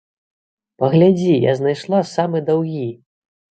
Паглядзі, я знайшла самы даўгі!